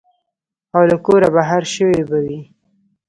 او له کوره بهر شوي به وي.